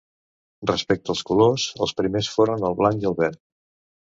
Respecte als colors, els primers foren el blanc i el verd.